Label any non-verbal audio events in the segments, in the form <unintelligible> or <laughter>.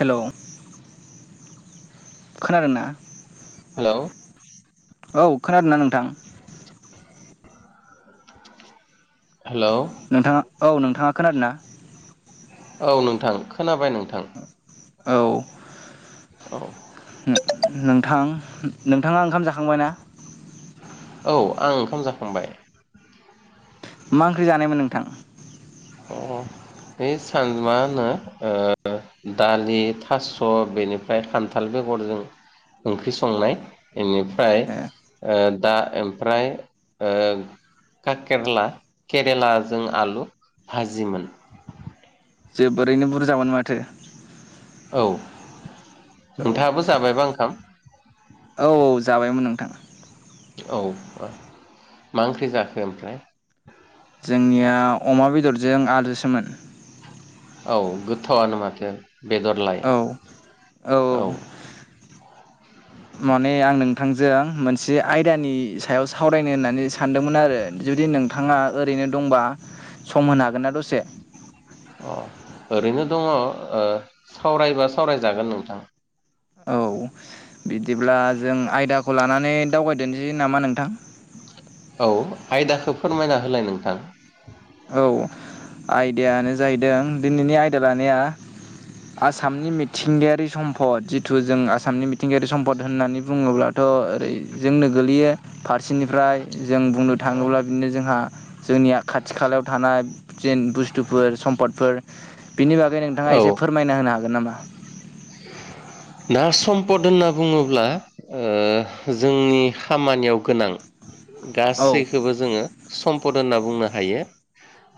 हेल' खोनादोंना? हेलौ औ खोनादों ना नोंथां? हेलौ नोंथाङा औ नोंथाङा खोनादों ना? औ नोंथां खोनाबाय नोंथां। औ औ नोंथां नोंथाङा ओंखाम जाखांबाय ना? औ आं ओंखाम जाखांबाय मा ओंख्रि जानायमोन नोंथां अ बे सान मा होनो ओ दालि थास' बेनिफ्राय खान्थाल बेगरजों ओंख्रि संनाय बेनिफ्राय ए दा ओमफ्राय ओ काकेरला केरेलाजों आलु भाजिमोन जोबोरैनो बुरजामोन माथो औ औ नोंथाङाबो जाबायबा ओंखाम औ औ जाबायमोन नोंथां औ मा ओंख्रि जाखो ओमफ्राय? जोंनिया अमा बेदरजों आलुसोमोन। औ गोथावानो माथो। बेगरलाय औ औ। माने आं नोंथांजों मोनसे आयदानि सायाव सावरायनो होननानै सानदोंमोन आरो जुदि नों थाङा ओरैनो दंबा सम होनो हागोन ना दसे? अ ओरैनो दङ ओ सावरायबा सावरायजागोन नोंथां। औ बिदिब्ला जों आयदाखौ लानानै दावबायदोनोसै नामा नोंथां। औ आयदाखौ फोरमायना होलाय नोंथां। औ आयदायानो जाहैदों दिनैनि आयदा लानाया। आसामनि मिथिंगायारि सम्पद जिथु जों आसामनि मिथिंगायारि सम्पद होननानै बुङोब्लाथ' ओरै जोंनो गोगलैयो फारसे निफ्राय जों बुंनो थाङोब्ला बिदिनो जोंहा जोंनि खाथि खालायाव थानाय जेन बुस्थुफोर सम्पदफोर बिनि बागै नोंथाङा औ एसे फोरमायना होनो हागोन नामा। <inaudible> दा सम्पद होनना बुङोब्ला ओ जोंनि खामानियाव गोनां औ गासैखौबो जोङो सम्पद होनना बुंनो हायो।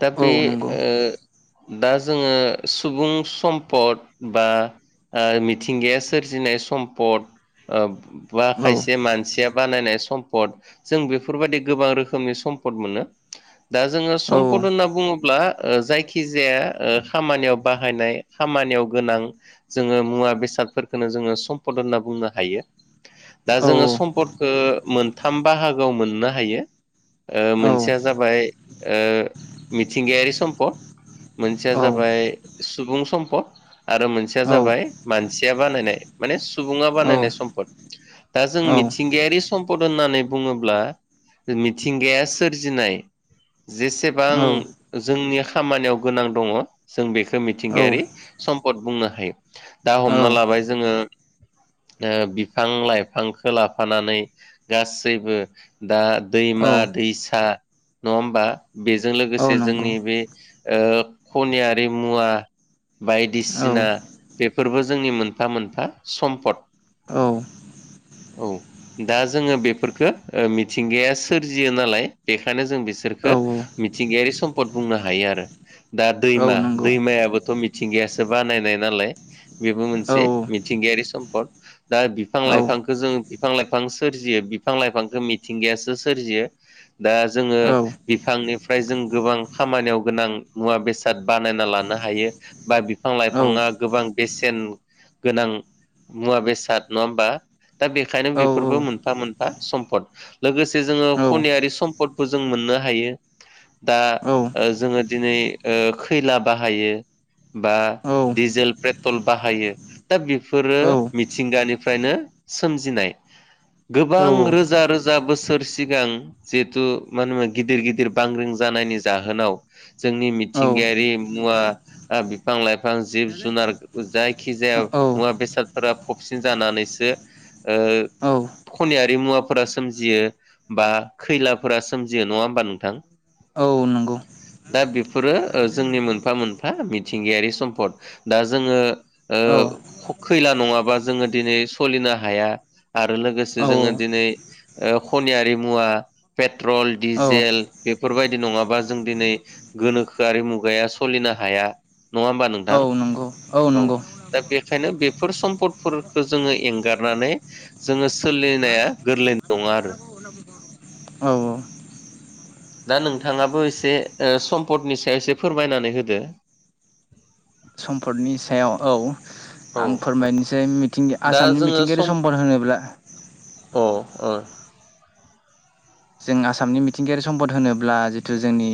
दा बे औ नंगौ ओ दा जोङो सुबुं सम्पद बा ओ मिथिंगाया सोरजिनाय सम्पद बा औ खायसे मानसिया बानायनाय सम्पद जों बेफोरबायदि गोबां रोखोमनि सम्पद मोनो। दा जोङो औ सम्पद होनना बुङो ब्ला ओ जायखिजाया ओ खामानियाव बाहायनाय खामानियाव गोनां जोङो मुवा बेसादफोरखोनो जोङो सम्पद होनना बुंनो हायो। दा जोङो औ सम्पदखौ मोनथाम बाहागोआव मोननो हायो। ओ औ मोनसेया जाबाय ओ मिथिंगायारि सम्पद। मोनसेया औ जाबाय सुबुं सम्पद आरो मोनसेया औ जाबाय मानसि आ बानायनाय माने सुबुंआ बानायनाय सम्पद। दा जों मिथिंगायारि सम्पद होननानै बुङोब्ला मिथिंगाया सोरजिनाय जेसेबां जोंनि खामानियाव गोनां दङ जों बेखौ मिथिंगायारि सम्पद बुंनो हायो दा औ हमना लाबाय जोङो ओ बिफां लाइफांखौ लाफानानै गासैबो दा दै मा औ दैसा नङा होमबा बेजों औ लोगोसे नंगौ जोंनि बे ओ खनियारि मुवा औ बायदिसिना बेफोरबो जोंनि मोनफा मोनफा सम्पद। <inaudible> औ दा जोङो बेफोरफोरखो मिथिंगाया सोरजियो नालाय बेखायनो जों बिसोर खो औ औ मिथिंगायारि सम्पद बुंनो हायो आरो दा औ दैमा नंगौ दैमायाबोथ' मिथिंगायासो बानायनाय नालाय। बेबो मोनसे औ मिथिंगायारि सम्फद दा बिफां औ लाइफांखो जों बिफां लाइफां सोरजि यो बिफां लाइफांखो मिथिंगायासो सोरजियो दा जोङो औ बिफांनिफ्राय जों गोबां खामानियाव गोनां मुवा बेसाद बानायना लानो हायो बा बिफां औ लाइफाङा गोबां बेसेन गोनां मुवा बेसाद नङा होमबा। दा बेखायनो औ बेफोरबो मोनफा मोनफा सम्पद लोगोसे जोङो औ खनियारि सम्पदबो जों मोन नो हायो दा औ जोङो दिनै ओ खैला बाहायो। बा डिजेल पेट्रल बाहायो दा बेफोरो मिथिंगानिफ्रायनो सोमजिनाय। गोबां रोजा रोजा बोसोर सिगां जिहेथु मा होना गिदिर गिदिर बांग्रिं जानायनि जाहोनाव जोंनि मिथिंगायारि मुवा ओ बिफां-लाइफां, जिब-जुनार जायखिजाया मुवा बेसादफोरा फबसिन जानानैसो ओ औ खनियारि मुवाफोरा सोमजियो बा खैलाफोरा सोमजियो नङा होमबा नोंथां? औ नंगौ दा बेफोरो ओ जोंनि मोनफा मोनफा मिथिंगायारि सम्पद दा जोङो ओ औ ख खैला नङाबा जोङो दिनै सलिनो हाया आरो लोगोसे औ जोङो दिनै ओ खनियारि मुवा पेट्रल औ डिजेल बेफोरबायदि नङाबा जों दिनै गोनोखोआरि मुगाया सलिनो हाया नङा होमबा नोंथां? औ नंगौ औ नंगौ दा बेखायनो बेफोर सम्पदफोरखो जोङो एंगारनानै जोङो सोलिनाया गोरलै नङा आरो <inaudible> औ औ दा नोंथाङाबो एसे ओ सम्पदनि सायाव एसे फोरमायनानै होदो सम्पदनि सायाव औ औ आं फोरमायनोसै मि मिथिंगा दा आसामनि जोङो सम मिथिंगायारि सम्पद होनोब्ला अ ओ जों आसामनि मिथिंगायारि सम्पद होनोब्ला जिथु जोंनि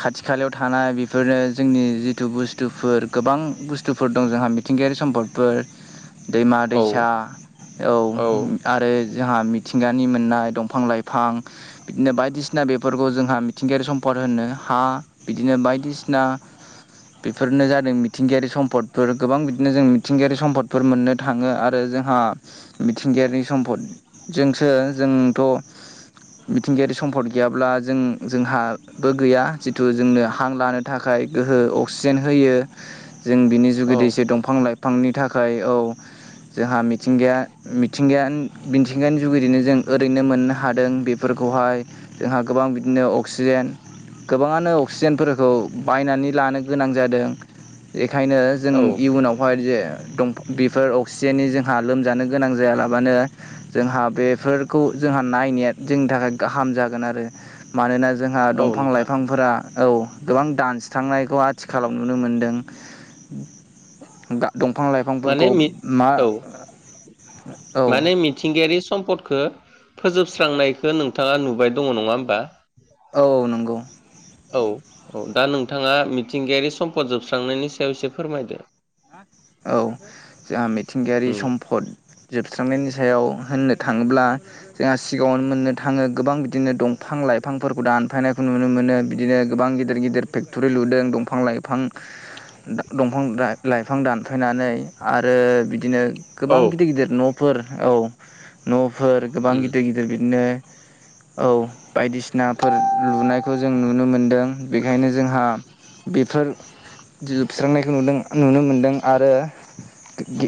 खाथि खालायाव थानाय बेफोरनो जोंनि जिथु बुस्थुफोर गोबां बुस्थुफोर दं जोंहा मिथिं गारि सम्पदफोर औ दैमा-दैसा औ आरो जोंहा मिथिंगानि मोननाय दंफां-लाइफां बिफां बिदिनो बायदिसिना बेफोरखौ जोंहा मिथिंगायारि सम्पद होनो हा बिदिनो बायदिसि ना। बेफोरनो जादों मिथिंगायारि सम्फदफोर गोबां बिदिनो जों मिथिंगायारि सम्पदफोर मोननो थाङो आरो जोंहा मिथिंगायारि सम्पदजोंसो जोंथ' मिथिंगायारि सम्पद गैयाब्ला जों जोंहाबो गैया जितु जोंनो हां लानो थाखाय ओहो अक्सिजेन हो होयो जों बिनि औ जुगिदिसो दंफां-लाइफांनि थाखाय औ जोंहा मिथिंगाया मिथिंगायानो मिथिंगानि जुगिदिनो जों ओरैनो मोननो हादों बेफोरखौहाय जोंहा गोबां बिदिनो अक्सिजेन गोबाङानो अक्सिजेनफोरखौ बायनानै लानो गोनां जादों। बेखायनो जों औ इयुनावहाय जे दं बेफोर अक्सिजेननि जोंहा लोमजानो गोनां जायालाबानो जोंहा बेफोरखौ जोंहा नायनाया जोंनि थाखाय गाहाम जागोन आरो मानोना जोंहा औ नोंथां दंफां-लाइफांफोरा औ गोबां दानस्रांनायखौ आथिखालाव नुनो मोनदों। गा दंफां-लाइफांफोरखौ माने मि मा औ औ सम्पदखो फोजोबस्रांनायखौ नोंथाङा नुबाय दङ नङा होमबा? औ औ नंगौ। औ औ दा नोंथाङा मिथिंगायारि सम्फद जोबस्रांनायनि सायाव एसे फोरमायदो। औ जोंहा मिथिंगायारि उम सम्फद जोबस्रांनायनि सायाव होननो थाङोब्ला जोंहा सिगाङावनो मोननो थाङो गोबां बिदिनो दंफां-लाइफांफोरखौ दानफायनायखौ नुनो मोनो बिदिनो गोबां गिदिर गिदिर फेक्टरि लुदों दंफां-लाइफां दा दंफां दाय लाइफां दानफायनानै आरो बिदिनो औ गोबां गिदिर गिदिर नफोर औ न'फोर गोबां उम गिदिर गिदिर बिदिनो औ बायदिसिनाफोर लुनायखौ जों नुनो मोनदों बेखायनो जोंहा बेफोर जोबस्रांनायखौ नुदों। नुनो मोनदों आरो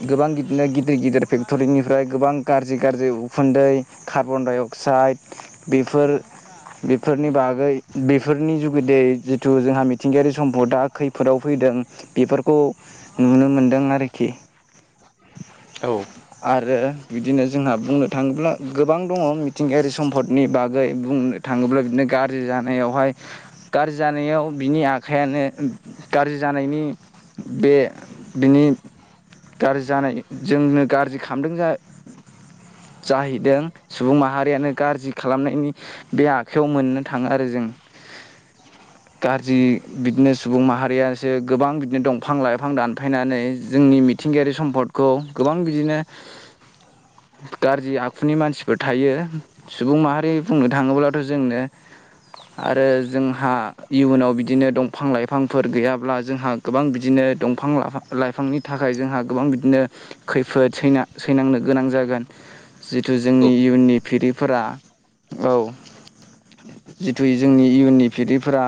गोबां बिदिनो गिदिर गिदिर फेक्टरिनिफ्राय गोबां गाज्रि गाज्रि उखुन्दै कार्बन-डाइ-अक्साइड बे बेफोर बेफोरनि बागै बेफोरनि जुगुदै जिथु जोंहा मिथिंगायारि सम्पदा खैफोदाव फैदों। दों बेफोरखौ नुनो मोनदों आरोखि। औ आरो बिदिनो जोंहा बुंनो थाङोब्ला गोबां दङ मिथिंगायारि सम्फदनि बागै बुंनो। थाङोब्ला बिदिनो गाज्रि जानायावहाय गाज्रि जानायाव बिनि आखायानो गाज्रि। जानायनि बे बिनि गाज्रि जानायनि जोंनो। गाज्रि खालामदों जा जाहैदों सुबुं माहारियानो गाज्रि खालामनायनि बे आखाइयाव मोननो थाङो आरो जों गाज्रि बिदिनो सुबुं माहारियासो गोबां बिदिनो दंफां लाइफां दानफायनानै जोंनि मिथिंगायारि सम्पदखौ गोबां बि बिदिनो गाज्रि आखुनि मानसिफोर थायो सुबुं माहारि बुंनो थाङोब्लाथ' जोंनो आरो जोंहा इयुनाव बिदिनो दंफां लाइफांफोर गैयाब्ला जोंहा गोबां बिदिनो दंफां लाइफां लाइफांनि थाखाय जोंहा गोबां बिदिनो खै फोद सै सैनांनो गोनां जागोन जिथु जोंनि इयुननि फिरिफोरा औ जिथु जोंनि इयुननि फिरिफोरा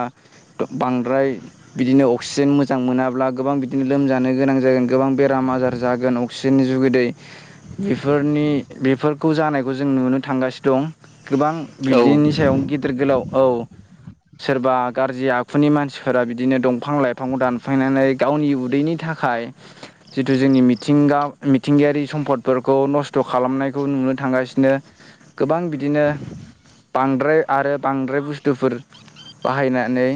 बांद्राय बिदिनो अक्सिजेन मोजां मोनाब्ला गोबां बिदिनो लोमजानो गोनां जागोन गोबां बेराम आजार जागोन अक्सि जोंनि जुगिदै बेफोरनि बेफोरखौ जानायखौ जों नुनो थांगासिनो दं। गोबां औ बिदिनि सायाव गिदिर गोलाव औ सोरबा गाज्रि आखुनि मानसिफोरा बिदिनो दंफां लाइफांखौ दानफायनानै गावनि उदैनि थाखाय थाखाय जिथु जोंनि मिथिंगा मिथिंगायारि सम्पदफोरखौ नस्थ' खालामनायखौ नुनो थांगासिनो। गोबां बिदिनो बांद्राय आरो बांद्राय बुसथुफोर बाहायनानै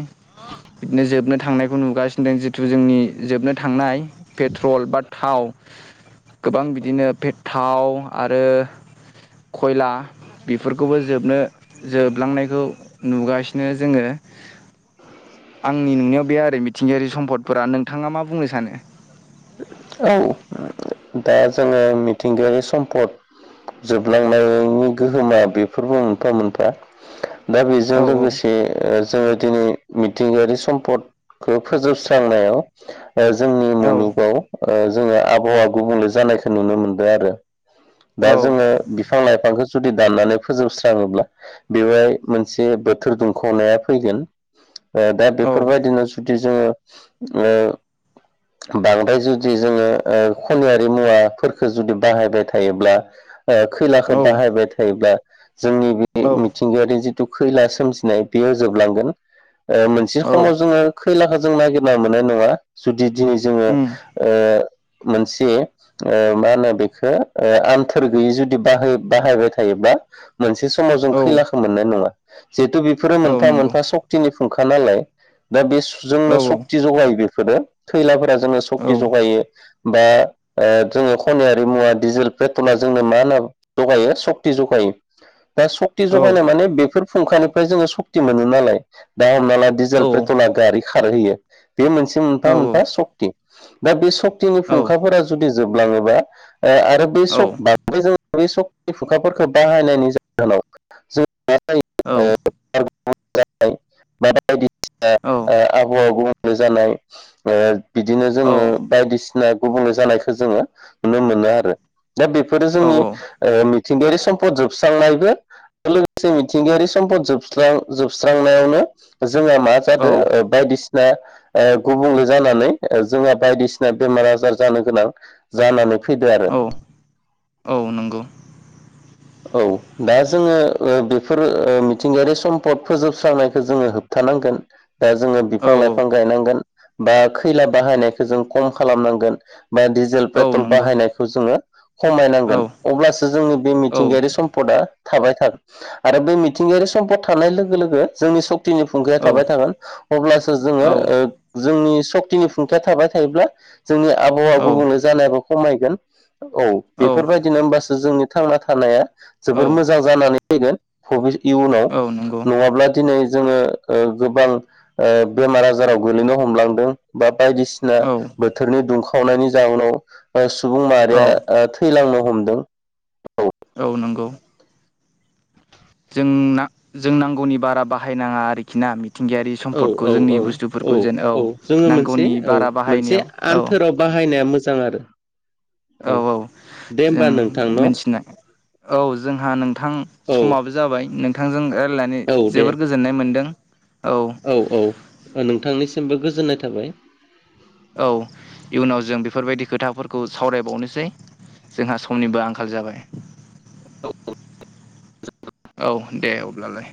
बिदिनो जोबनो थांनायखौ नुगासिनो दं जिथु जोंनि जोबनो थांनाय पेट्रल बा थाव गोबां बिदिनो बे थाव आरो खयला बेफोरखौबो जोबनो जोबलांनायखौ नुगासिनो जोङो। आंनि नुनायाव बे आरो मिथिंगायारि सम्पदफोरा नोंथाङा मा बुंनो सानो? औ दा जोङो मिथिंगायारि सम्पद। जोबलांनायनि गोहोमा बेफोरबो मोनफा मोनफा। दा बेजों औ लोगोसे जोङो दिनै मिथिंगायारि सम्पदखौ फोजोबस्रांनायाव जोंनि औ मुलुगाव जोङो आबहावा गुबुंले जानायखौ नुनो मोनदों आरो। दा जोङो बिफां लाइफांखो जुदि दाननानै फोजोबस्राङोब्ला बेवहाय मोनसे बोथोर दुंखावनाया फैगोन। ओ दा औ बेफोरबायदिनो जुदि जोङो बांद्राय जुद दि जोङो खनायारि मुवाफोरखौ जुदि बाहायबाय थायोब्ला ओ खैलाखौ औ बाहा बाय थायोब्ला। जोंनि बि औ मिथिंगायारि जिथु खैला सोमजिनाय बेयो जोबलांगोन। मोनसे औ खमाव जोङो खैलाखौ जों नागिरना मोननाय नङा जुदि दिनै जोङो। उम ओ। मोनसे ओ मा होनो बेखौ ओ आमथोर गैयि जुदि बाहाय बाहायबाय थायोबा मोनसे समाव जों औ खैलाखौ मोननाय नङा। जिहेथु बेफोरो औ मोनफा नंगौ मोनफा सक्तिनि फुंखा नालाय दा बे औ जोंनो सक्ति जगायो बेफ बेफोरो खैलाफोरा जोंनो औ सक जगायो बा जोङो खनायारि मुवा डिजेल पेट्रला जोंनो माना जगायो सक्ति जगायो। दा सक्ति औ जगायनाय माने बेफोर फुंखानिफ्राय जोङो सक्ति मोनो नालाय दा हमना ला डिजेल औ पेट्रला गारि खारहोयो बे मोनसे औ मोनफा मोनफा सक्ति। दा बे सक्तिनि औ फुंखाफोरा जुदि जोबलाङोबा आरो बे बांद्राय जों सक्ति फुंखाफोरखौ बाहायनायनि जाहोनाव <unintelligible> <unintelligible> दिनो जोङो बायदिसिना गुबुंले जानायखौ जोङो नुनो मोनो आरो। दा बेफोरो जोंनि मिथिंगायारि सम्पद जोबस्रांनायबो लोगोसे मिथिंगायारि सम्पद जोबस्रां जोबस्रांनायावनो जोंहा मा औ जादों औ ओ बायदि सिना गुबुंले जानानै। ओ जोंहा बायदिसिना बेमार आजार जानो गोनां जानानै फैदो आरो। औ औ नंगौ औ दा जोङो ओ बेफोर ओ मिथिंगायारि सम्पद फोजोबस्रांनायखौ जोङो होबथा थानांगोन दा जोङो औ बिफां औ लाइफां गायनांगोन बा खैला बाहायनायखौ जों खम खालामनां गोन बा डिजेल औ पेट्रल नंगौ बाहायनायखौ जोङो औ खमायनांगोन अब्लासो जोंनि बे औ मिथिंगायारि सम्पदा थाबाय थाग आरो बे मिथिंगायारि सम्पद थानाय लोगो लोगो जोंनि सक्तिनि फुंखाया औ थाबाय थागोन अब्लासो जोङो ओ जोंनि सक्तिनि फुंखाया थाबाय थायोब्ला जोंनि आबहावा औ औ गुबुननो जानायाबो खमायगोन। औ बेफोरबायदिनो हबासो जोंनि थांना थानाया जोबोर मोजां जानानै फैगोन फबे इयुनाव औ नंगौ नङाब्ला दिनै जोङो। ओ गोबां ओ बेमार आजाराव गोलैनो हमलांदों बा बायदिसिना औ बोथोरनि दुंखावनायनि जाउनाव सुबुं माहारिया औ ओ थैलांनो हमदों। औ नंगौ। जोंना ना जों नांगौनि बारा बाहायनाङा आरोखि ना मि औ औ औ औ जेन औ जोङो मोनसे नांगौनि औ बारा मोनसे बाहायनायाव औ आन्थोराव बाहायनाया मो मोजां आरो।‌ औ औ। जों नोंथां न' मिथिनाय औ जोंहा नोंथां औ समाबो जाबाय नों बिथां जों रायजलायनानै औ दे जोबोर गोजोननाय मोन्दों। औ औ नोंथांनिसिमबो गोजोननाय थाबाय। औ इयुनाव जों बेफोरबायदिख खोथाफोरखौ सावरायबावनोसै जोंहा समनिबो आंखाल जाबाय। <unintelligible> औ दे अब्लालाय।